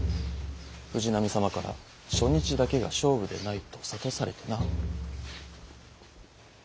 藤波様から初日だけが勝負でないと諭されてな。